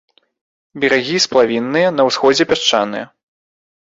Берагі сплавінныя, на ўсходзе пясчаныя.